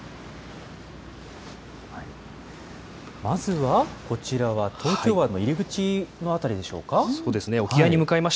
まずはこちらは東京湾の入り口の辺りでしょうか。